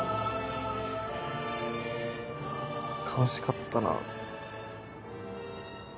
悲しかったな。